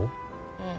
うん。